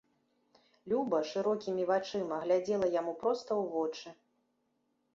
Люба шырокімі вачыма глядзела яму проста ў вочы.